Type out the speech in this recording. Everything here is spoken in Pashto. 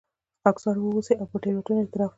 خاکساره واوسئ او پر تېروتنه اعتراف وکړئ.